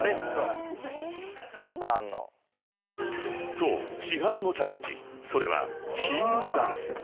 ［そうｃｈｉｈａｒｕのチャレンジそれはヒールダンス］